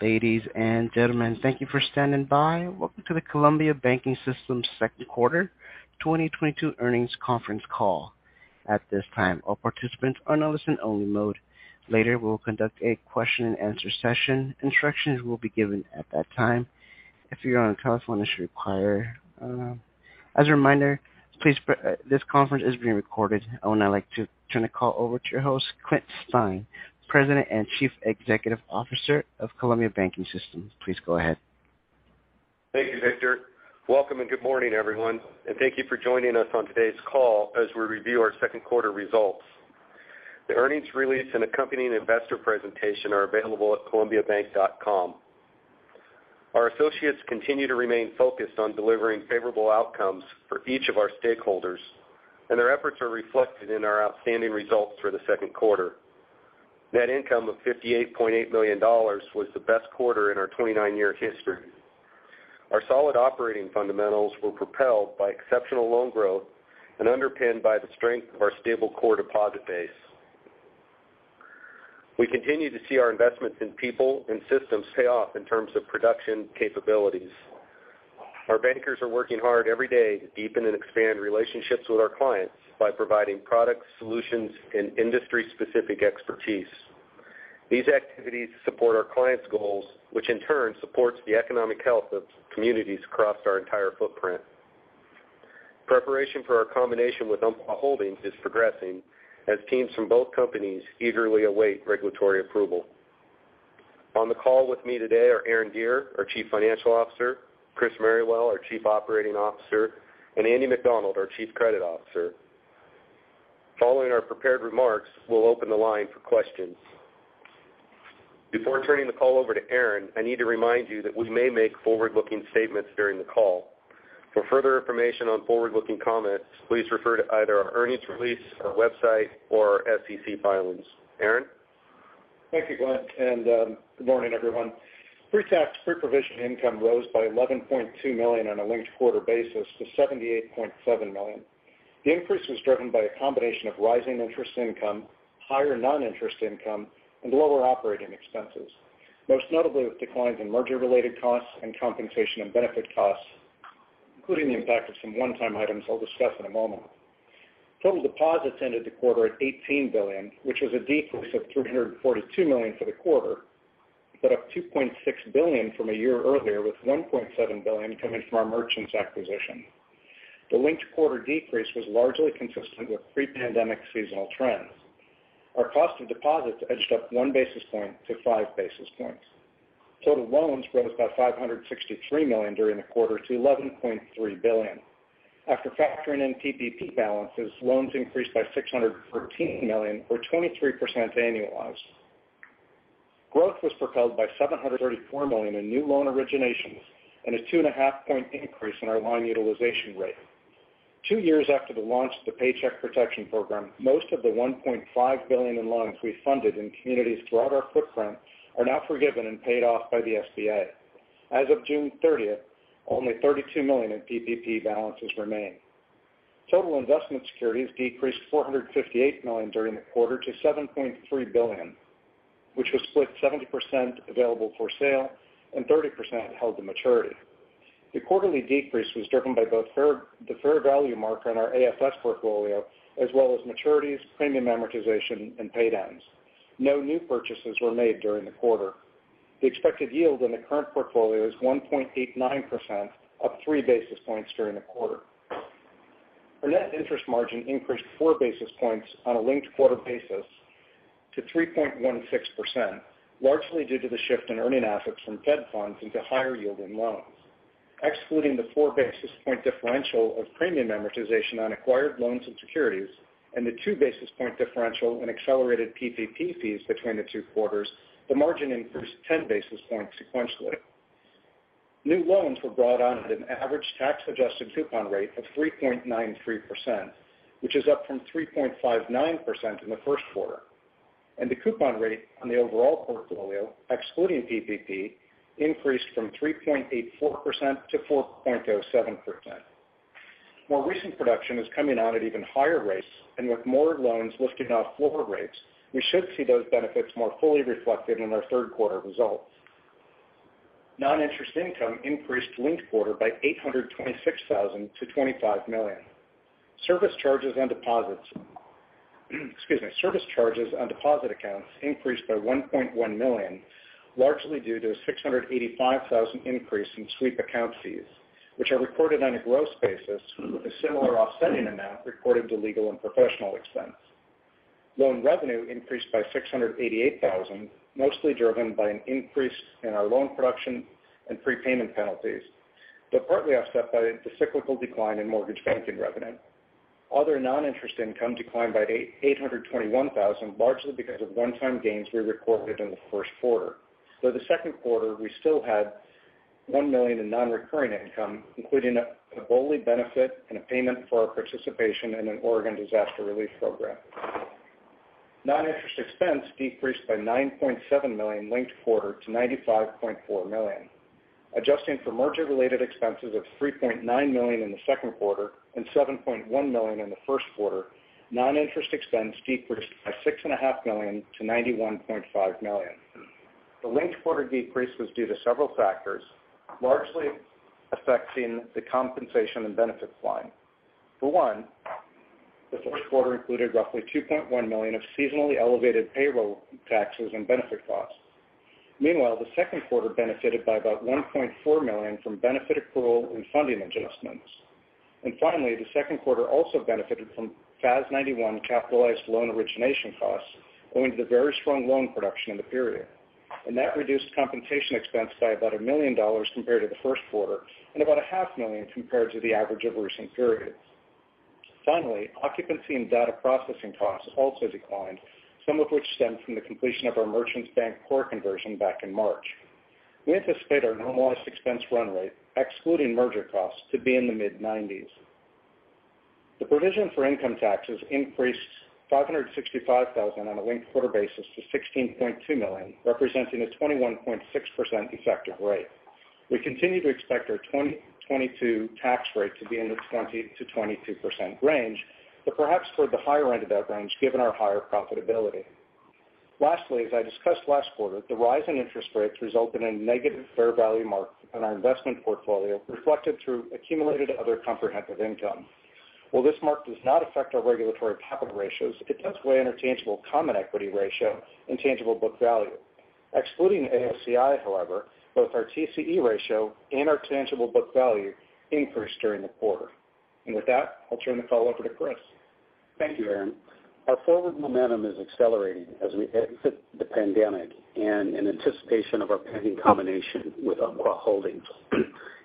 Ladies and gentlemen, thank you for standing by. Welcome to the Columbia Banking System second quarter 2022 earnings conference call. At this time, all participants are in listen only mode. Later, we will conduct a question-and-answer session. Instructions will be given at that time. As a reminder, please, this conference is being recorded. I would now like to turn the call over to your host, Clint Stein, President and Chief Executive Officer of Columbia Banking System. Please go ahead. Thank you, Victor. Welcome and good morning, everyone. Thank you for joining us on today's call as we review our second quarter results. The earnings release and accompanying investor presentation are available at columbiabank.com. Our associates continue to remain focused on delivering favorable outcomes for each of our stakeholders, and their efforts are reflected in our outstanding results for the second quarter. Net income of $58.8 million was the best quarter in our 29-year history. Our solid operating fundamentals were propelled by exceptional loan growth and underpinned by the strength of our stable core deposit base. We continue to see our investments in people and systems pay off in terms of production capabilities. Our bankers are working hard every day to deepen and expand relationships with our clients by providing products, solutions, and industry-specific expertise. These activities support our clients' goals, which in turn supports the economic health of communities across our entire footprint. Preparation for our combination with Umpqua Holdings is progressing as teams from both companies eagerly await regulatory approval. On the call with me today are Aaron Deer, our Chief Financial Officer, Chris Merrywell, our Chief Operating Officer, and Andy McDonald, our Chief Credit Officer. Following our prepared remarks, we'll open the line for questions. Before turning the call over to Aaron, I need to remind you that we may make forward-looking statements during the call. For further information on forward-looking comments, please refer to either our earnings release, our website, or our SEC filings. Aaron? Thank you, Clint, and good morning, everyone. Pre-tax, pre-provision income rose by $11.2 million on a linked quarter basis to $78.7 million. The increase was driven by a combination of rising interest income, higher non-interest income and lower operating expenses, most notably with declines in merger related costs and compensation and benefit costs, including the impact of some one-time items I'll discuss in a moment. Total deposits ended the quarter at $18 billion, which was a decrease of $342 million for the quarter, but up $2.6 billion from a year earlier, with $1.7 billion coming from our Merchants acquisition. The linked quarter decrease was largely consistent with pre-pandemic seasonal trends. Our cost of deposits edged up 1 basis point to 5 basis points. Total loans rose by $563 million during the quarter to $11.3 billion. After factoring in PPP balances, loans increased by $613 million or 23% annualized. Growth was propelled by $734 million in new loan originations and a 2.5-point increase in our loan utilization rate. Two years after the launch of the Paycheck Protection Program, most of the $1.5 billion in loans we funded in communities throughout our footprint are now forgiven and paid off by the SBA. As of June 30th, only $32 million in PPP balances remain. Total investment securities decreased $458 million during the quarter to $7.3 billion, which was split 70% available for sale and 30% held to maturity. The quarterly decrease was driven by both the fair value mark on our AFS portfolio as well as maturities, premium amortization and paid downs. No new purchases were made during the quarter. The expected yield in the current portfolio is 1.89%, up 3 basis points during the quarter. Our net interest margin increased 4 basis points on a linked quarter basis to 3.16%, largely due to the shift in earning assets from Fed funds into higher yielding loans. Excluding the 4 basis point differential of premium amortization on acquired loans and securities, and the 2 basis point differential in accelerated PPP fees between the two quarters, the margin increased 10 basis points sequentially. New loans were brought on at an average tax-adjusted coupon rate of 3.93%, which is up from 3.59% in the first quarter. The coupon rate on the overall portfolio, excluding PPP, increased from 3.84% to 4.07%. More recent production is coming out at even higher rates, and with more loans lifting off lower rates, we should see those benefits more fully reflected in our third quarter results. Non-interest income increased linked quarter by $826,000 to $25 million. Service charges on deposit accounts increased by $1.1 million, largely due to a $685,000 increase in sweep account fees, which are reported on a gross basis, with a similar offsetting amount reported to legal and professional expense. Loan revenue increased by $688,000, mostly driven by an increase in our loan production and prepayment penalties, but partly offset by the cyclical decline in mortgage banking revenue. Other non-interest income declined by $821,000, largely because of one-time gains we recorded in the first quarter. For the second quarter, we still had $1 million in non-recurring income, including a BOLI benefit and a payment for our participation in an Oregon disaster relief program. Non-interest expense decreased by $9.7 million linked-quarter to $95.4 million. Adjusting for merger-related expenses of $3.9 million in the second quarter and $7.1 million in the first quarter, non-interest expense decreased by $6.5 million to $91.5 million. The linked-quarter decrease was due to several factors, largely affecting the compensation and benefits line. For one, the first quarter included roughly $2.1 million of seasonally elevated payroll taxes and benefit costs. Meanwhile, the second quarter benefited by about $1.4 million from benefit accrual and funding adjustments. Finally, the second quarter also benefited from FAS 91 capitalized loan origination costs owing to the very strong loan production in the period. That reduced compensation expense by about $1 million compared to the first quarter and about $0.5 million compared to the average of recent periods. Finally, occupancy and data processing costs also declined, some of which stemmed from the completion of our Merchants Bank core conversion back in March. We anticipate our normalized expense run rate, excluding merger costs, to be in the mid-90s. The provision for income taxes increased $565,000 on a linked quarter basis to $16.2 million, representing a 21.6% effective rate. We continue to expect our 2022 tax rate to be in the 20%-22% range, but perhaps toward the higher end of that range given our higher profitability. Lastly, as I discussed last quarter, the rise in interest rates result in a negative fair value mark on our investment portfolio reflected through accumulated other comprehensive income. While this mark does not affect our regulatory capital ratios, it does weigh in our tangible common equity ratio and tangible book value. Excluding AOCI, however, both our TCE ratio and our tangible book value increased during the quarter. With that, I'll turn the call over to Chris. Thank you, Aaron. Our forward momentum is accelerating as we exit the pandemic and in anticipation of our pending combination with Umpqua Holdings.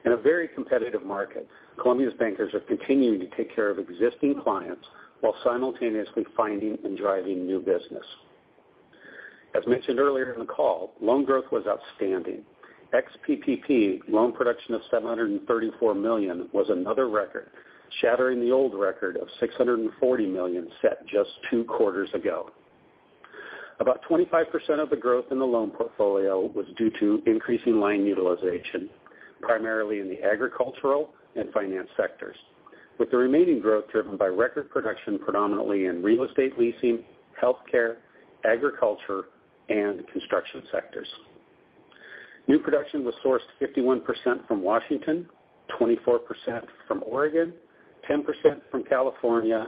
In a very competitive market, Columbia's bankers are continuing to take care of existing clients while simultaneously finding and driving new business. As mentioned earlier in the call, loan growth was outstanding. Ex-PPP loan production of $734 million was another record, shattering the old record of $640 million set just two quarters ago. About 25% of the growth in the loan portfolio was due to increasing line utilization, primarily in the agricultural and finance sectors, with the remaining growth driven by record production predominantly in real estate leasing, healthcare, agriculture, and construction sectors. New production was sourced 51% from Washington, 24% from Oregon, 10% from California,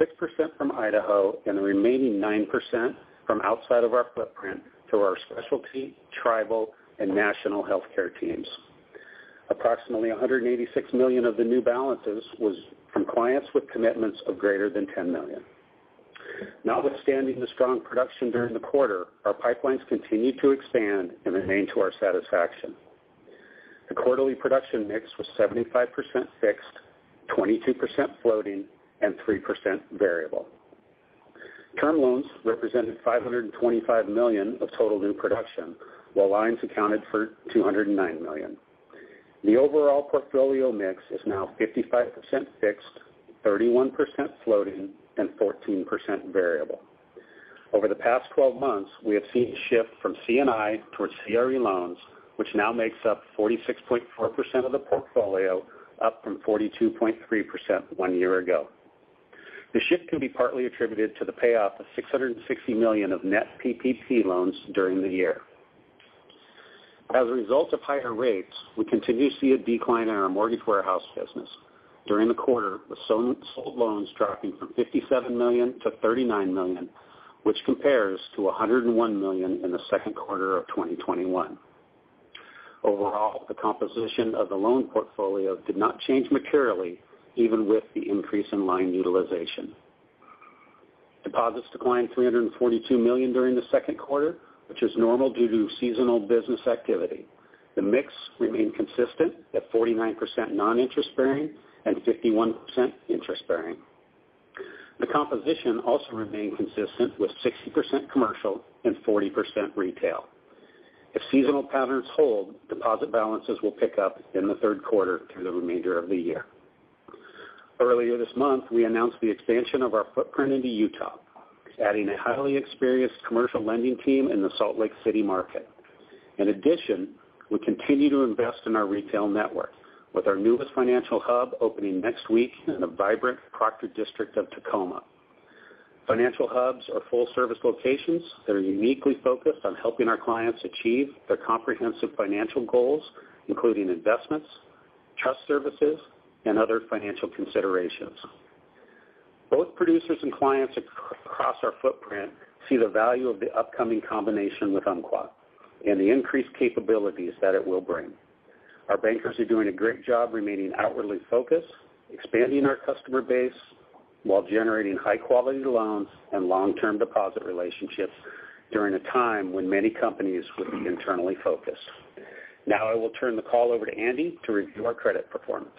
6% from Idaho, and the remaining 9% from outside of our footprint through our specialty, tribal, and national healthcare teams. Approximately $186 million of the new balances was from clients with commitments of greater than $10 million. Notwithstanding the strong production during the quarter, our pipelines continued to expand and remain to our satisfaction. The quarterly production mix was 75% fixed, 22% floating, and 3% variable. Term loans represented $525 million of total new production, while lines accounted for $209 million. The overall portfolio mix is now 55% fixed, 31% floating, and 14% variable. Over the past 12 months, we have seen a shift from C&I towards CRE loans, which now makes up 46.4% of the portfolio, up from 42.3% one year ago. The shift can be partly attributed to the payoff of $660 million of net PPP loans during the year. As a result of higher rates, we continue to see a decline in our mortgage warehouse business during the quarter, with sold loans dropping from $57 million to $39 million, which compares to $101 million in the second quarter of 2021. Overall, the composition of the loan portfolio did not change materially even with the increase in line utilization. Deposits declined $342 million during the second quarter, which is normal due to seasonal business activity. The mix remained consistent at 49% non-interest bearing and 51% interest bearing. The composition also remained consistent with 60% commercial and 40% retail. If seasonal patterns hold, deposit balances will pick up in the third quarter through the remainder of the year. Earlier this month, we announced the expansion of our footprint into Utah, adding a highly experienced commercial lending team in the Salt Lake City market. In addition, we continue to invest in our retail network with our newest financial hub opening next week in the vibrant Proctor District of Tacoma. Financial hubs are full-service locations that are uniquely focused on helping our clients achieve their comprehensive financial goals, including investments, trust services, and other financial considerations. Both producers and clients across our footprint see the value of the upcoming combination with Umpqua and the increased capabilities that it will bring. Our bankers are doing a great job remaining outwardly focused, expanding our customer base while generating high quality loans and long-term deposit relationships during a time when many companies would be internally focused. Now I will turn the call over to Andy to review our credit performance.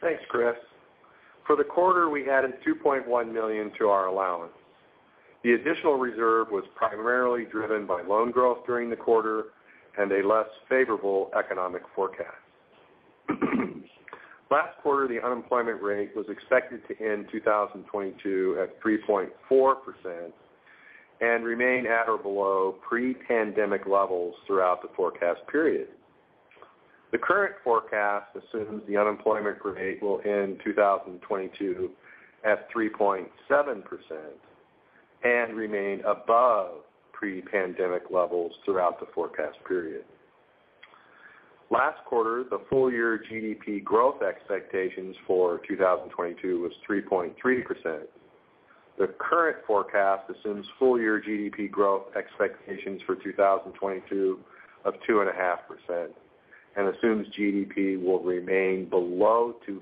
Thanks, Chris. For the quarter, we added $2.1 million to our allowance. The additional reserve was primarily driven by loan growth during the quarter and a less favorable economic forecast. Last quarter, the unemployment rate was expected to end 2022 at 3.4% and remain at or below pre-pandemic levels throughout the forecast period. The current forecast assumes the unemployment rate will end 2022 at 3.7% and remain above pre-pandemic levels throughout the forecast period. Last quarter, the full-year GDP growth expectations for 2022 was 3.3%. The current forecast assumes full-year GDP growth expectations for 2022 of 2.5% and assumes GDP will remain below 2%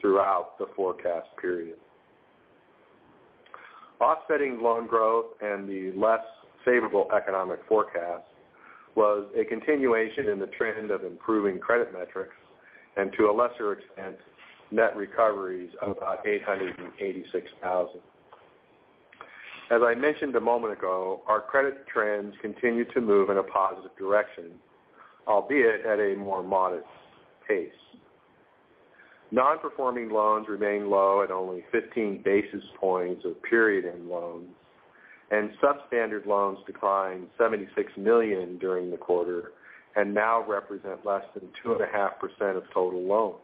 throughout the forecast period. Offsetting loan growth and the less favorable economic forecast was a continuation in the trend of improving credit metrics and to a lesser extent, net recoveries of about $886,000. As I mentioned a moment ago, our credit trends continue to move in a positive direction, albeit at a more modest pace. Non-performing loans remain low at only 15 basis points of period-end loans, and substandard loans declined $76 million during the quarter and now represent less than 2.5% of total loans.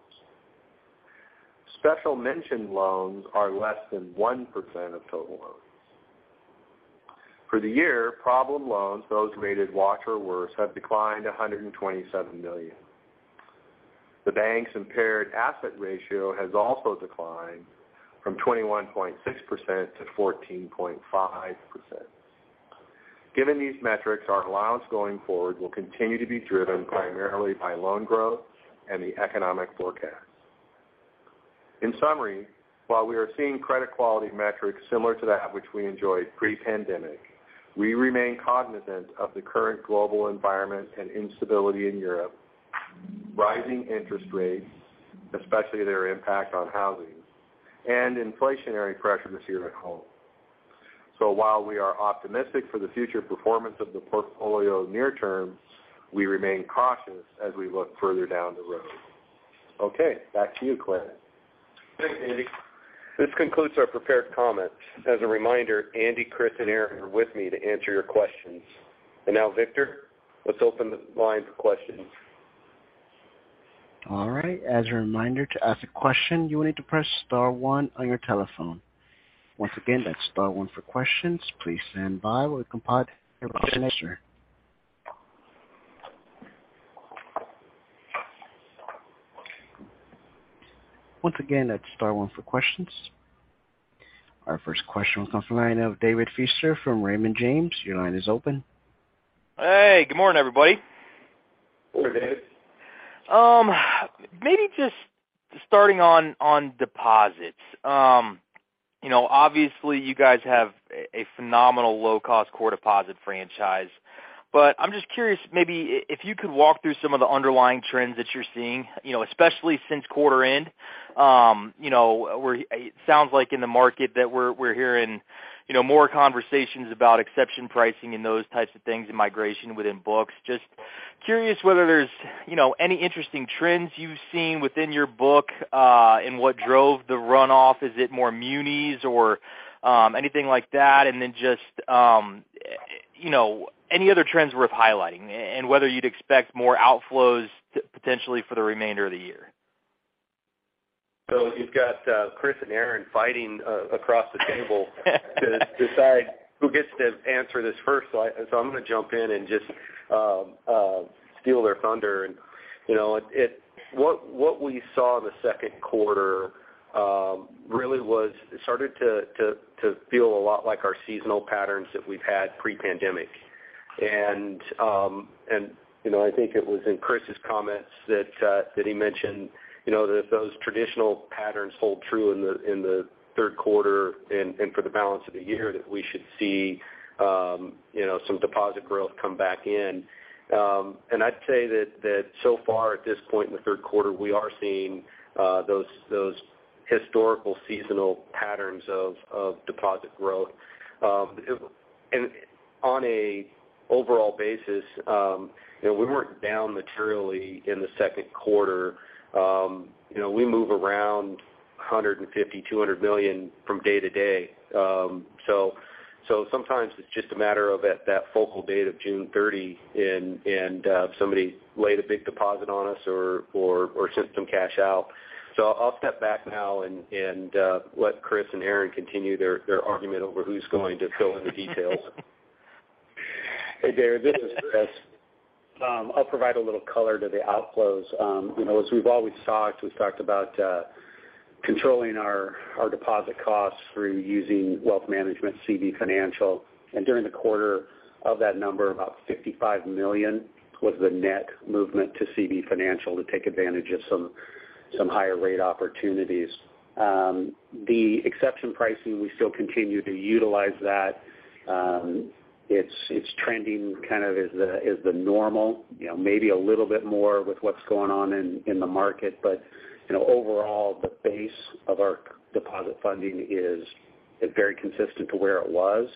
Special mention loans are less than 1% of total loans. For the year, problem loans, those rated watch or worse, have declined $127 million. The bank's impaired asset ratio has also declined from 21.6% to 14.5%. Given these metrics, our allowance going forward will continue to be driven primarily by loan growth and the economic forecast. In summary, while we are seeing credit quality metrics similar to that which we enjoyed pre-pandemic, we remain cognizant of the current global environment and instability in Europe, rising interest rates, especially their impact on housing and inflationary pressures here at home. While we are optimistic for the future performance of the portfolio near term, we remain cautious as we look further down the road. Okay, back to you, Clint. Thanks, Andy. This concludes our prepared comments. As a reminder, Andy, Chris and Aaron are with me to answer your questions. Now, Victor, let's open the line for questions. All right. As a reminder to ask a question, you will need to press star one on your telephone. Once again, that's star one for questions. Please stand by while we compile your question. Once again, that's star one for questions. Our first question will come from the line of David Feaster from Raymond James. Your line is open. Hey, good morning, everybody. Good morning, David. Maybe just starting on deposits. You know, obviously, you guys have a phenomenal low-cost core deposit franchise. I'm just curious maybe if you could walk through some of the underlying trends that you're seeing, you know, especially since quarter end. You know, where it sounds like in the market that we're hearing, you know, more conversations about exception pricing and those types of things and migration within books. Just curious whether there's, you know, any interesting trends you've seen within your book, and what drove the runoff. Is it more munis or anything like that? Then just, you know, any other trends worth highlighting and whether you'd expect more outflows potentially for the remainder of the year. You've got Chris and Aaron fighting across the table to decide who gets to answer this first. I'm gonna jump in and just steal their thunder. You know what we saw in the second quarter really was it started to feel a lot like our seasonal patterns that we've had pre-pandemic. You know, I think it was in Chris' comments that he mentioned, you know, that those traditional patterns hold true in the third quarter and for the balance of the year that we should see, you know, some deposit growth come back in. I'd say that so far at this point in the third quarter, we are seeing those historical seasonal patterns of deposit growth. On an overall basis, you know, we weren't down materially in the second quarter. You know, we move around $150 million-$200 million from day to day. Sometimes it's just a matter of at that focal date of June 30 and somebody laid a big deposit on us or sent some cash out. I'll step back now and let Chris and Aaron continue their argument over who's going to fill in the details. Hey, David, this is Chris. I'll provide a little color to the outflows. You know, as we've always talked, we've talked about controlling our deposit costs through using wealth management, CB Financial. During the quarter of that number, about $55 million was the net movement to CB Financial to take advantage of some higher rate opportunities. The exception pricing, we still continue to utilize that. It's trending kind of as the normal. You know, maybe a little bit more with what's going on in the market. But you know, overall, the base of our deposit funding is very consistent to where it was.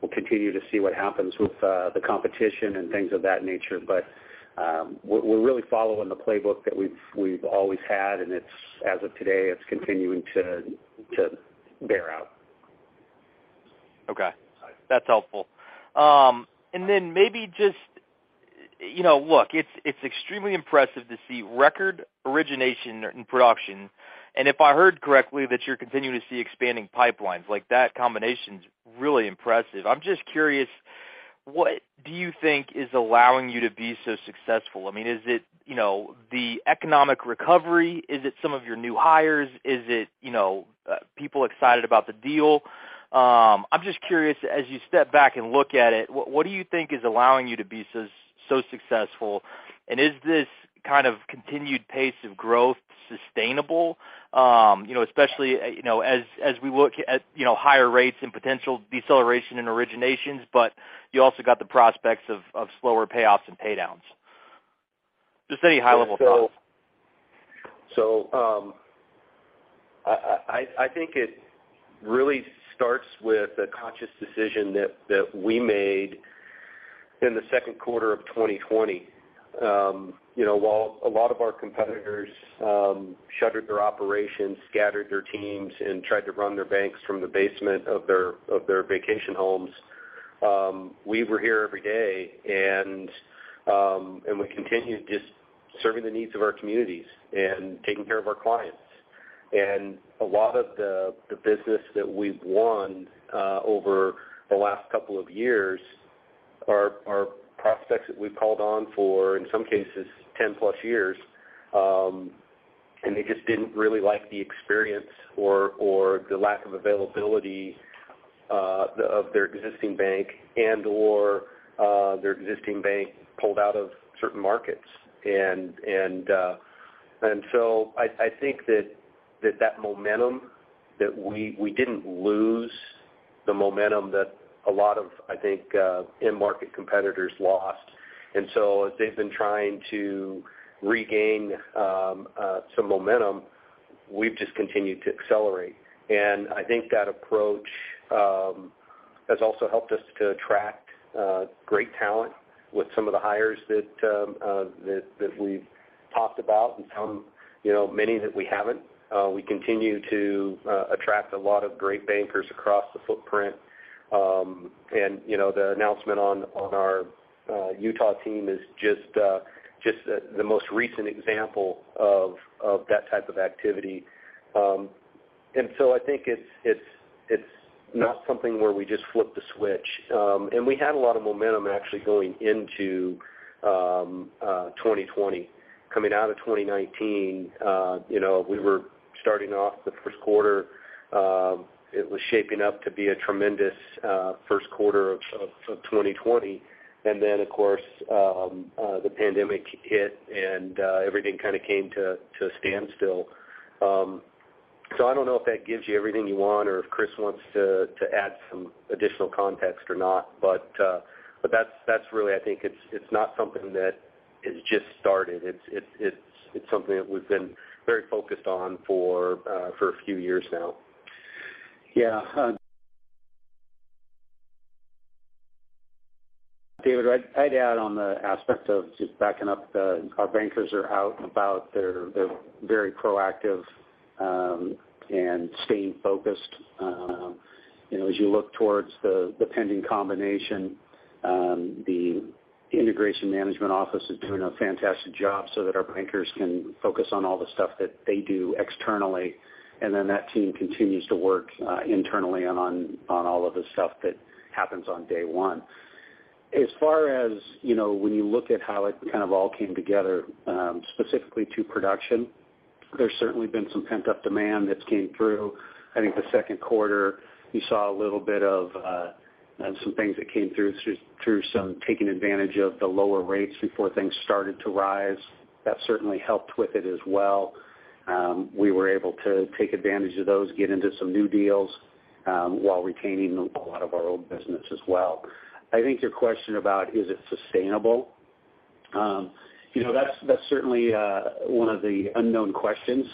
We'll continue to see what happens with the competition and things of that nature. We're really following the playbook that we've always had, and it's as of today, it's continuing to bear out. Okay. That's helpful. Maybe just, you know, look, it's extremely impressive to see record origination in production. If I heard correctly that you're continuing to see expanding pipelines, like, that combination's really impressive. I'm just curious, what do you think is allowing you to be so successful? I mean, is it, you know, the economic recovery? Is it some of your new hires? Is it, you know, people excited about the deal? I'm just curious, as you step back and look at it, what do you think is allowing you to be so successful? Is this kind of continued pace of growth sustainable, you know, especially, you know, as we look at, you know, higher rates and potential deceleration in originations, but you also got the prospects of slower payoffs and pay downs. Just any high-level thoughts. I think it really starts with a conscious decision that we made in the second quarter of 2020. You know, while a lot of our competitors shuttered their operations, scattered their teams, and tried to run their banks from the basement of their vacation homes, we were here every day. We continued just serving the needs of our communities and taking care of our clients. A lot of the business that we've won over the last couple of years are prospects that we've called on for, in some cases, 10+ years, and they just didn't really like the experience or the lack of availability of their existing bank and/or their existing bank pulled out of certain markets. I think that momentum that we didn't lose the momentum that a lot of in-market competitors lost. As they've been trying to regain some momentum, we've just continued to accelerate. I think that approach has also helped us to attract great talent with some of the hires that we've talked about and some, you know, many that we haven't. We continue to attract a lot of great bankers across the footprint. You know, the announcement on our Utah team is just the most recent example of that type of activity. I think it's not something where we just flip the switch. We had a lot of momentum actually going into 2020. Coming out of 2019, you know, we were starting off the first quarter. It was shaping up to be a tremendous first quarter of 2020. Then, of course, the pandemic hit and everything kind of came to a standstill. I don't know if that gives you everything you want or if Chris wants to add some additional context or not. That's really, I think it's something that we've been very focused on for a few years now. Yeah. David, I'd add on the aspect of just our bankers are out and about. They're very proactive and staying focused. You know, as you look towards the pending combination, the integration management office is doing a fantastic job so that our bankers can focus on all the stuff that they do externally, and then that team continues to work internally on all of the stuff that happens on day one. As far as, you know, when you look at how it kind of all came together, specifically to production, there's certainly been some pent-up demand that's came through. I think the second quarter, you saw a little bit of some things that came through some taking advantage of the lower rates before things started to rise. That certainly helped with it as well. We were able to take advantage of those, get into some new deals, while retaining a lot of our old business as well. I think your question about is it sustainable, you know, that's certainly one of the unknown questions.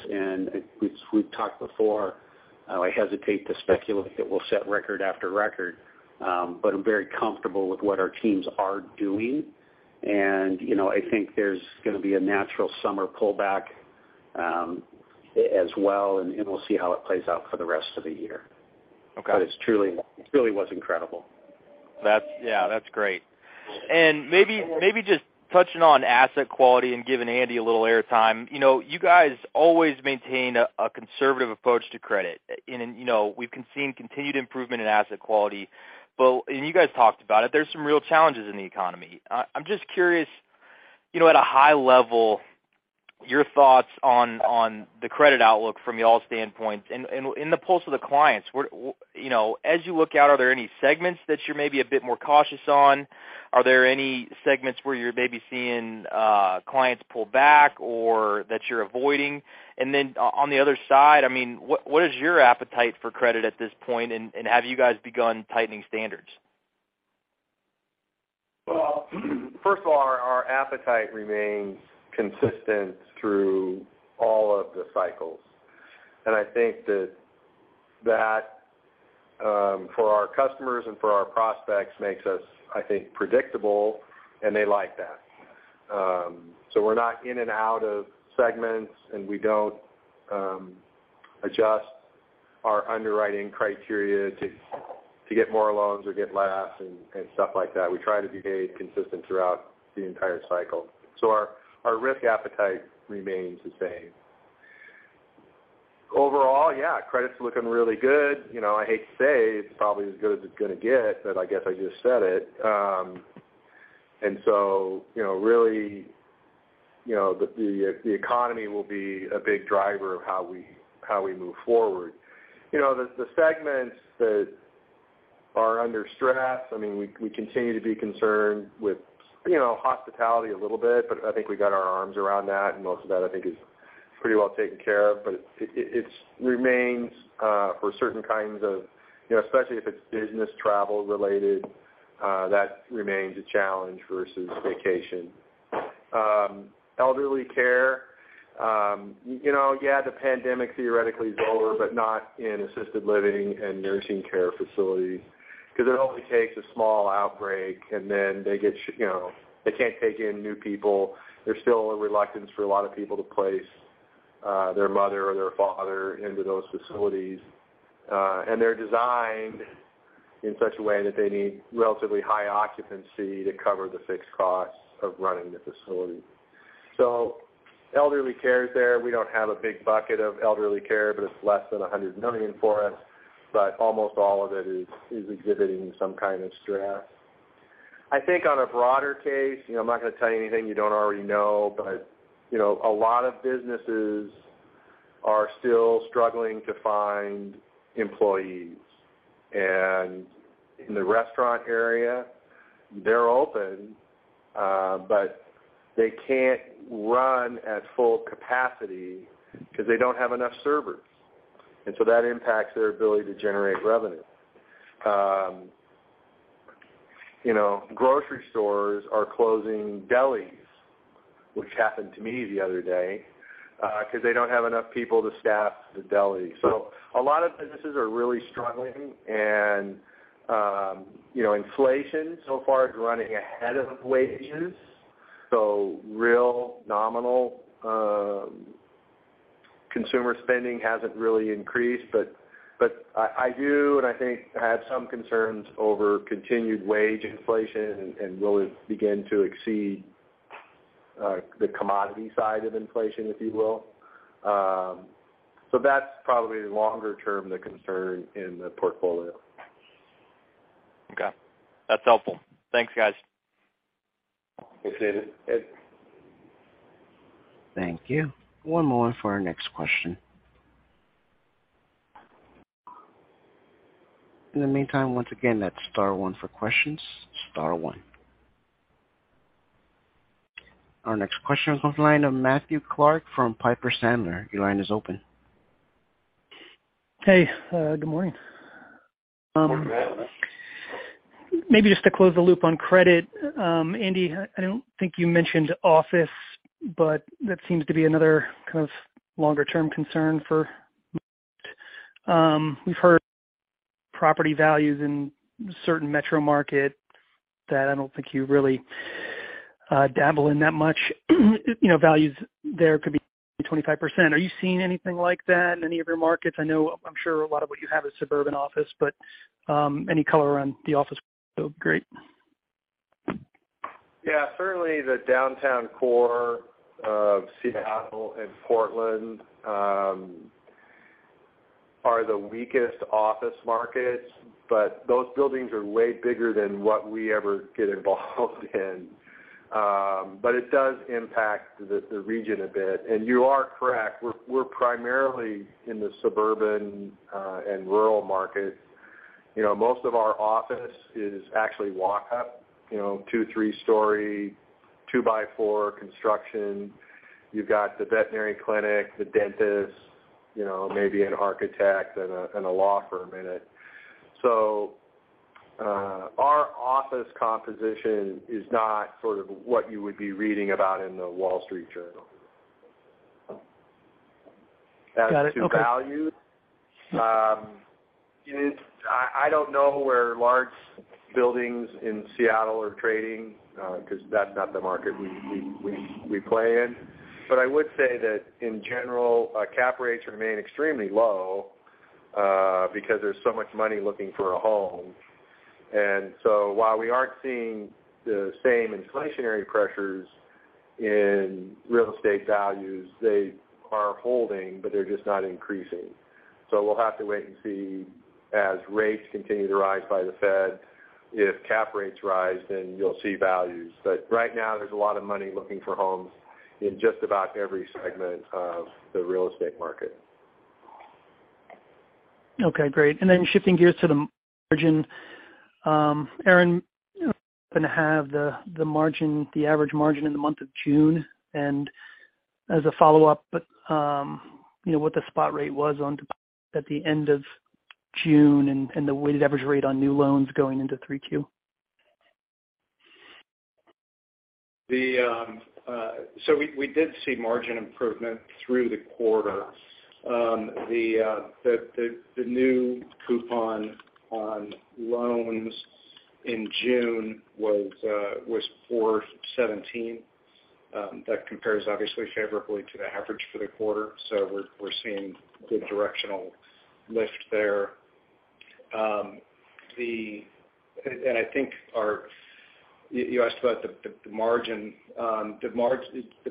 We've talked before, I hesitate to speculate that we'll set record after record. I'm very comfortable with what our teams are doing. You know, I think there's gonna be a natural summer pullback, as well, and we'll see how it plays out for the rest of the year. Okay. It's truly, it really was incredible. Yeah, that's great. Maybe just touching on asset quality and giving Andy a little air time. You know, you guys always maintain a conservative approach to credit. You know, we've seen continued improvement in asset quality. You guys talked about it. There's some real challenges in the economy. I'm just curious, you know, at a high level, your thoughts on the credit outlook from y'all's standpoint. In the pulse of the clients, where you know, as you look out, are there any segments that you're maybe a bit more cautious on? Are there any segments where you're maybe seeing clients pull back or that you're avoiding? Then on the other side, I mean, what is your appetite for credit at this point? Have you guys begun tightening standards? Well, first of all, our appetite remains consistent through all of the cycles. I think that for our customers and for our prospects makes us, I think, predictable, and they like that. We're not in and out of segments, and we don't adjust our underwriting criteria to get more loans or get less and stuff like that. We try to behave consistent throughout the entire cycle. Our risk appetite remains the same. Overall, yeah, credit's looking really good. You know, I hate to say it's probably as good as it's gonna get, but I guess I just said it. You know, really, you know, the economy will be a big driver of how we move forward. You know, the segments that are under stress. I mean, we continue to be concerned with, you know, hospitality a little bit, but I think we got our arms around that, and most of that I think is pretty well taken care of. But it remains for certain kinds of, you know, especially if it's business travel related, that remains a challenge versus vacation. Elderly care, you know, yeah, the pandemic theoretically is over, but not in assisted living and nursing care facilities. 'Cause it only takes a small outbreak, and then they get, you know, they can't take in new people. There's still a reluctance for a lot of people to place their mother or their father into those facilities. They're designed in such a way that they need relatively high occupancy to cover the fixed costs of running the facility. Elderly care is there. We don't have a big bucket of elderly care, but it's less than $100 million for us, but almost all of it is exhibiting some kind of stress. I think on a broader case, you know, I'm not gonna tell you anything you don't already know, but, you know, a lot of businesses are still struggling to find employees. In the restaurant area, they're open, but they can't run at full capacity because they don't have enough servers. That impacts their ability to generate revenue. You know, grocery stores are closing delis, which happened to me the other day, because they don't have enough people to staff the deli. A lot of businesses are really struggling and, you know, inflation so far is running ahead of wages. Real nominal consumer spending hasn't really increased. But I do and I think have some concerns over continued wage inflation and will it begin to exceed the commodity side of inflation, if you will. That's probably longer term, the concern in the portfolio. Okay. That's helpful. Thanks, guys. Thanks, David. Thank you. One more for our next question. In the meantime, once again, that's star one for questions, star one. Our next question comes from the line of Matthew Clark from Piper Sandler. Your line is open. Hey, good morning. Morning, Matt. Maybe just to close the loop on credit. Andy, I don't think you mentioned office, but that seems to be another kind of longer-term concern for most. We've heard property values in certain metro markets that I don't think you really dabble in that much. You know, values there could be 25%. Are you seeing anything like that in any of your markets? I know I'm sure a lot of what you have is suburban office, but any color around the office rate. Yeah. Certainly the downtown core of Seattle and Portland are the weakest office markets, but those buildings are way bigger than what we ever get involved in. It does impact the region a bit. You are correct. We're primarily in the suburban and rural markets. You know, most of our office is actually walk up, you know, two, three-story, two-by-four construction. You've got the veterinary clinic, the dentist, you know, maybe an architect and a law firm in it. Our office composition is not sort of what you would be reading about in the Wall Street Journal. Got it. Okay. As to value, it's I don't know where large buildings in Seattle are trading, because that's not the market we play in. I would say that in general, cap rates remain extremely low, because there's so much money looking for a home. While we aren't seeing the same inflationary pressures in real estate values, they are holding, but they're just not increasing. We'll have to wait and see as rates continue to rise by the Fed. If cap rates rise, then you'll see values. Right now, there's a lot of money looking for homes in just about every segment of the real estate market. Okay, great. Then shifting gears to the margin. Aaron, gonna have the margin, the average margin in the month of June. As a follow-up, you know, what the spot rate was on deposits at the end of June and the weighted average rate on new loans going into 3Q. We did see margin improvement through the quarter. The new coupon on loans in June was 4.17%. That compares obviously favorably to the average for the quarter. We're seeing good directional lift there. I think you asked about the margin. The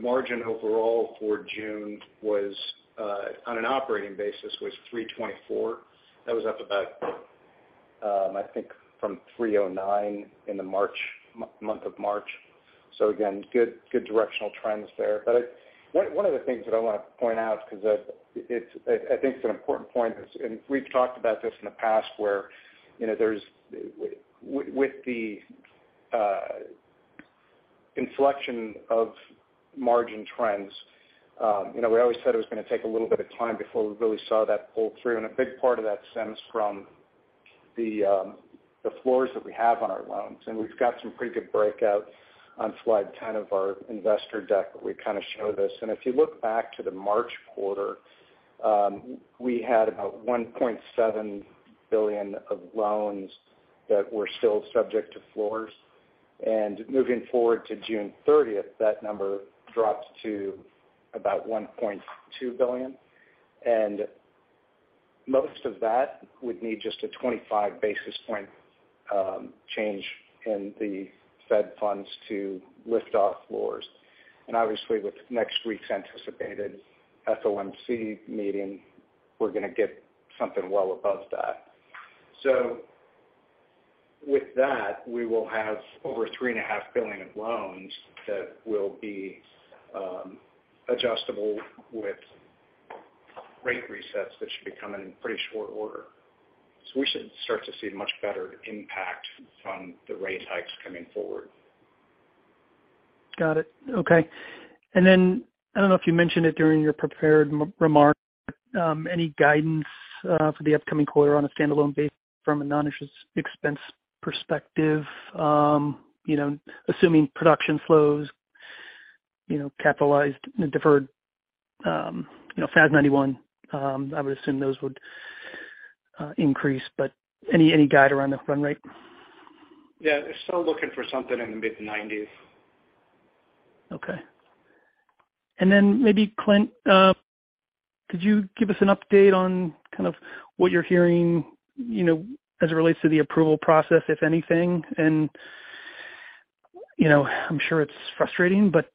margin overall for June was, on an operating basis, 3.24%. That was up about, I think, from 3.09% in the month of March. Again, good directional trends there. One of the things that I wanna point out because it's an important point. We've talked about this in the past where, you know, there's with the inflection of margin trends, you know, we always said it was gonna take a little bit of time before we really saw that pull through. A big part of that stems from the floors that we have on our loans, and we've got some pretty good breakouts on slide 10 of our investor deck where we kind of show this. If you look back to the March quarter, we had about $1.7 billion of loans that were still subject to floors. Moving forward to June 30th, that number dropped to about $1.2 billion. Most of that would need just a 25 basis point change in the Fed funds to lift off floors. Obviously, with next week's anticipated FOMC meeting, we're gonna get something well above that. With that, we will have over $3.5 billion of loans that will be adjustable with rate resets that should be coming in pretty short order. We should start to see much better impact from the rate hikes coming forward. Got it. Okay. I don't know if you mentioned it during your prepared remarks. Any guidance for the upcoming quarter on a standalone basis from a non-interest expense perspective? You know, assuming production slows, you know, capitalized and deferred, you know, FAS 91, I would assume those would increase. Any guide around the run rate? Yeah. We're still looking for something in the mid-90s. Okay. Maybe Clint could you give us an update on kind of what you're hearing, you know, as it relates to the approval process, if anything? You know, I'm sure it's frustrating, but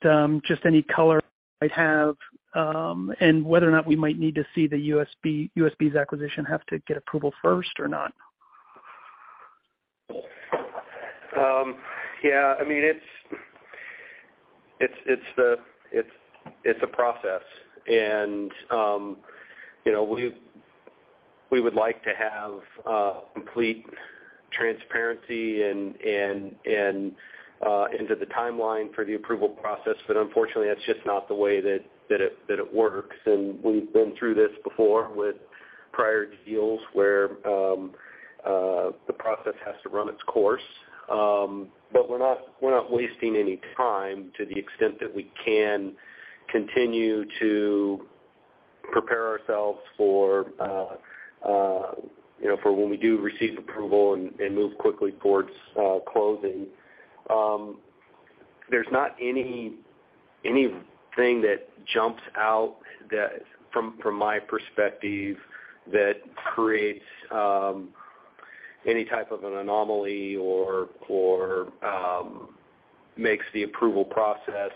just any color you might have, and whether or not we might need to see the USB's acquisition have to get approval first or not. I mean, it's a process. You know, we would like to have complete transparency and into the timeline for the approval process, but unfortunately, that's just not the way that it works. We've been through this before with prior deals where the process has to run its course. But we're not wasting any time to the extent that we can continue to prepare ourselves for you know, for when we do receive approval and move quickly towards closing. There's not anything that jumps out that from my perspective that creates any type of an anomaly or makes the approval process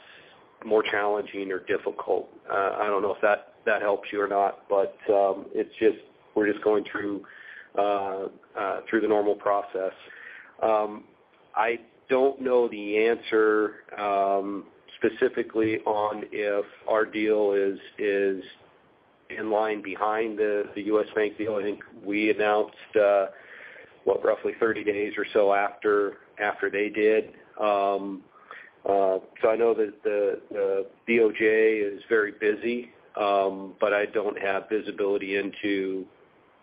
more challenging or difficult. I don't know if that helps you or not, but it's just we're just going through the normal process. I don't know the answer specifically on if our deal is in line behind the U.S. Bank deal. I think we announced roughly 30 days or so after they did. I know that the OCC is very busy, but I don't have visibility into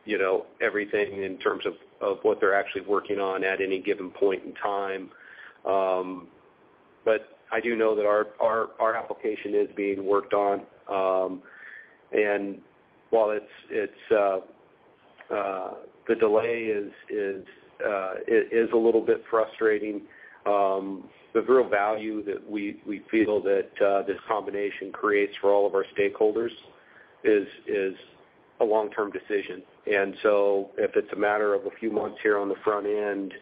you know everything in terms of what they're actually working on at any given point in time. I do know that our application is being worked on. While the delay is a little bit frustrating. The real value that we feel that this combination creates for all of our stakeholders is a long-term decision. If it's a matter of a few months here on the front end,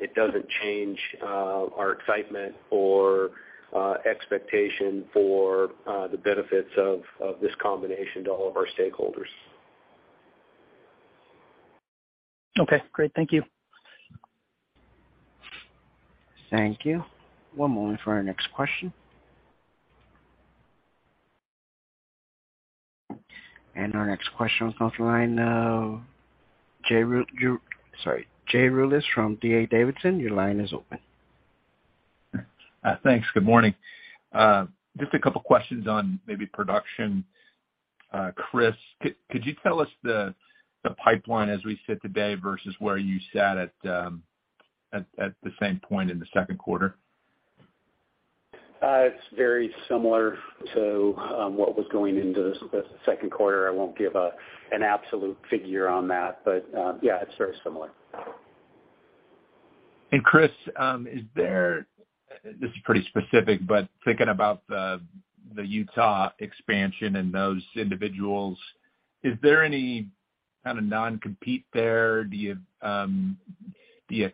it doesn't change our excitement or expectation for the benefits of this combination to all of our stakeholders. Okay, great. Thank you. Thank you. One moment for our next question. Our next question comes from the line of Jeff Rulis from D.A. Davidson. Your line is open. Thanks. Good morning. Just a couple questions on maybe production. Chris, could you tell us the pipeline as we sit today versus where you sat at the same point in the second quarter? It's very similar to what was going into the second quarter. I won't give an absolute figure on that, but yeah, it's very similar. Chris, this is pretty specific, but thinking about the Utah expansion and those individuals, is there any kind of non-compete there? Do you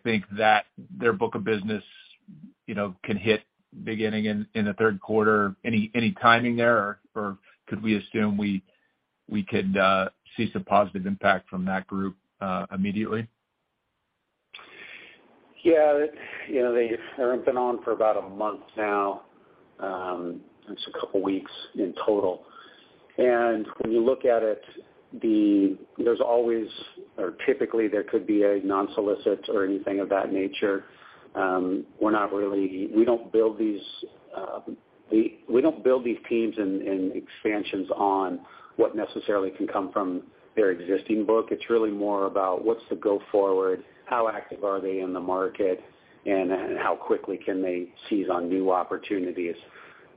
think that their book of business, you know, can hit beginning in the third quarter? Any timing there, or could we assume we could see some positive impact from that group immediately? Yeah. It's, you know, they've been on for about a month now, just a couple weeks in total. When you look at it, there's always or typically there could be a non-solicit or anything of that nature. We don't build these teams and expansions on what necessarily can come from their existing book. It's really more about what's the go-forward, how active are they in the market, and how quickly can they seize on new opportunities.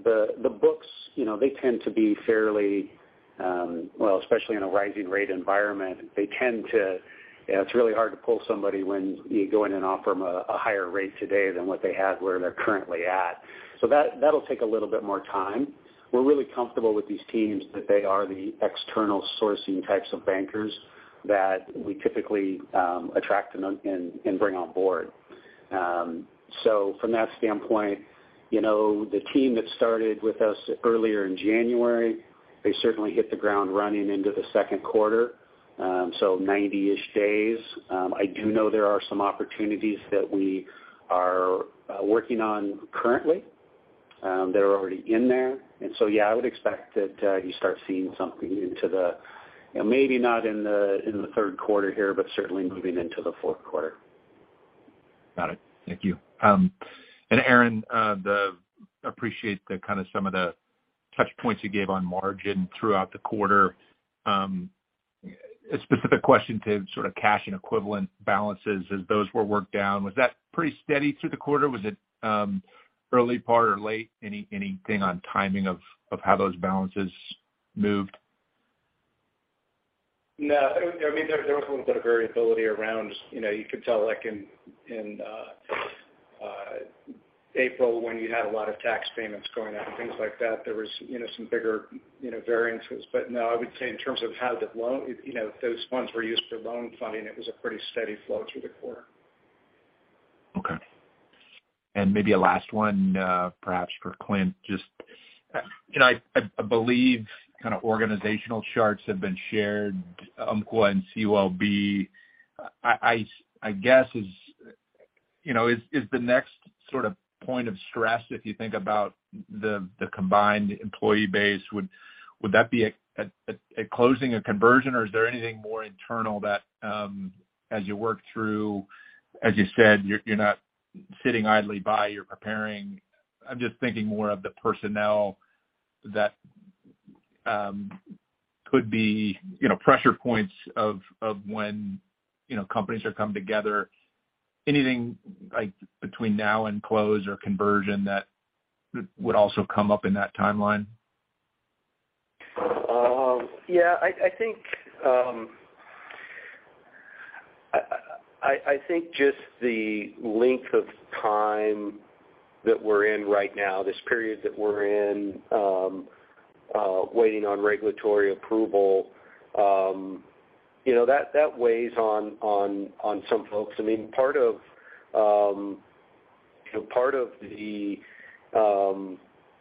The books, you know, they tend to be fairly well, especially in a rising rate environment, they tend to, you know, it's really hard to pull somebody when you go in and offer them a higher rate today than what they had where they're currently at. That'll take a little bit more time. We're really comfortable with these teams that they are the external sourcing types of bankers that we typically attract and bring on board. From that standpoint, you know, the team that started with us earlier in January, they certainly hit the ground running into the second quarter, so 90-ish days. I do know there are some opportunities that we are working on currently that are already in there. Yeah, I would expect that you start seeing something, you know, maybe not in the third quarter here, but certainly moving into the fourth quarter. Got it. Thank you. Aaron, appreciate the kind of some of the touch points you gave on margin throughout the quarter. A specific question to sort of cash and equivalent balances as those were worked down. Was that pretty steady through the quarter? Was it, early part or late? Anything on timing of how those balances moved? No. I mean, there was a little bit of variability around, you know, you could tell like in April when you had a lot of tax payments going out and things like that, there was, you know, some bigger variances. No, I would say in terms of how the loan, you know, those funds were used for loan funding, it was a pretty steady flow through the quarter. Okay. Maybe a last one, perhaps for Clint. Just, you know, I guess is, you know, is the next sort of point of stress if you think about the combined employee base, would that be a closing, a conversion, or is there anything more internal that, as you work through, as you said, you're not sitting idly by, you're preparing. I'm just thinking more of the personnel that, could be, you know, pressure points of when, you know, companies are coming together. Anything like between now and close or conversion that would also come up in that timeline? Yeah. I think just the length of time that we're in right now, this period that we're in, waiting on regulatory approval, you know, that weighs on some folks. I mean, part of, you know, part of the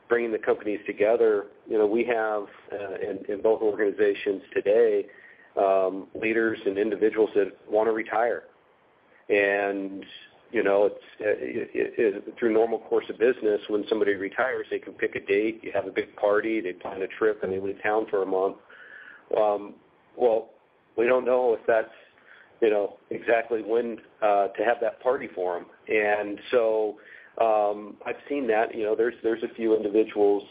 bringing the companies together, you know, we have in both organizations today, leaders and individuals that wanna retire. You know, it's through normal course of business, when somebody retires, they can pick a date, you have a big party, they plan a trip, and they leave town for a month. Well, we don't know if that's, you know, exactly when to have that party for them. I've seen that. You know, there's a few individuals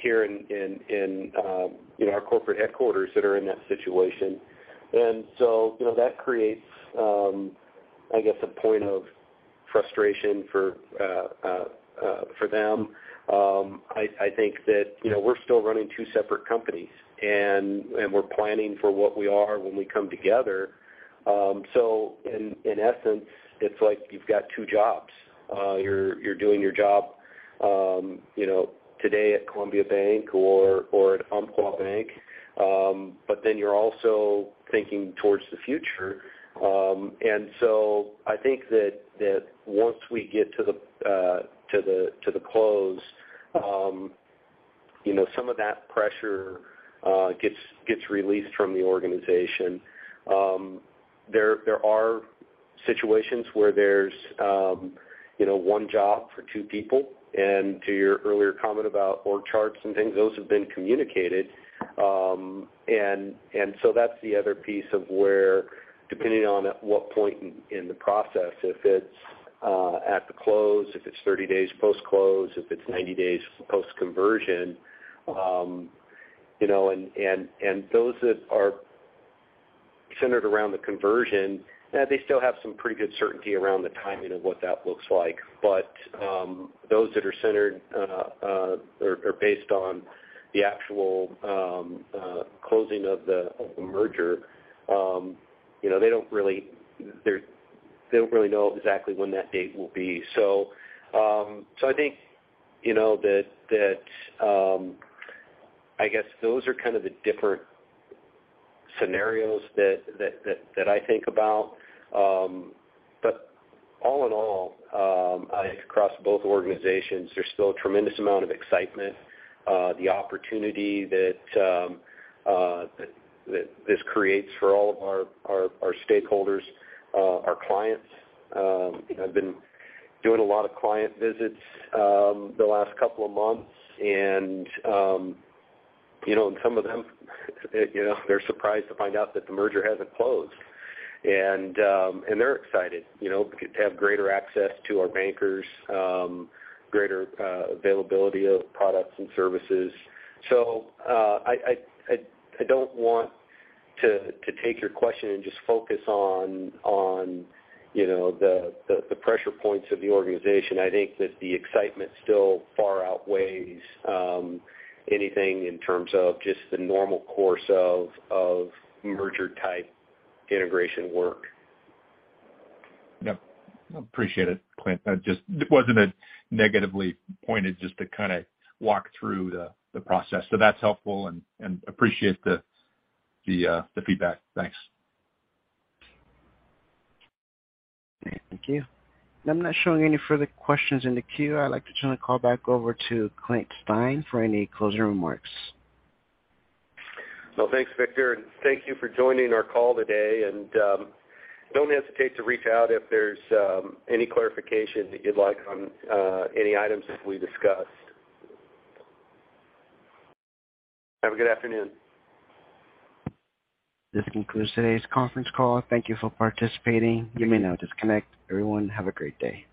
here in you know, our corporate headquarters that are in that situation. You know, that creates I guess a point of frustration for them. I think that, you know, we're still running two separate companies and we're planning for what we are when we come together. In essence, it's like you've got two jobs. You're doing your job, you know, today at Columbia Bank or at Umpqua Bank, but then you're also thinking towards the future. I think that once we get to the close, you know, some of that pressure gets released from the organization. There are situations where there's, you know, one job for two people. To your earlier comment about org charts and things, those have been communicated. That's the other piece of where depending on at what point in the process, if it's at the close, if it's 30 days post-close, if it's 90 days post-conversion. Those that are centered around the conversion, they still have some pretty good certainty around the timing of what that looks like. Those that are centered or based on the actual closing of the merger, they don't really know exactly when that date will be. I think you know that I guess those are kind of the different scenarios that I think about. All in all, I think across both organizations, there's still a tremendous amount of excitement. The opportunity that this creates for all of our stakeholders, our clients. I've been doing a lot of client visits the last couple of months, and you know, some of them, you know, they're surprised to find out that the merger hasn't closed. They're excited, you know, to have greater access to our bankers, greater availability of products and services. I don't want to take your question and just focus on you know the pressure points of the organization. I think that the excitement still far outweighs anything in terms of just the normal course of merger-type integration work. Yep. Appreciate it, Clint. It wasn't a negatively pointed just to kinda walk through the process. That's helpful and appreciate the feedback. Thanks. Great. Thank you. I'm not showing any further questions in the queue. I'd like to turn the call back over to Clint Stein for any closing remarks. Well, thanks, Victor, and thank you for joining our call today. Don't hesitate to reach out if there's any clarification that you'd like on any items that we discussed. Have a good afternoon. This concludes today's conference call. Thank you for participating. You may now disconnect. Everyone, have a great day.